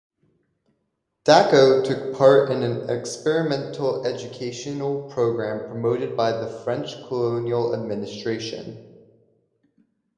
Dacko took part in an experimental educational program promoted by the French colonial administration.